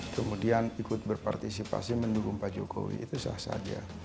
kemudian ikut berpartisipasi mendukung pak jokowi itu sah saja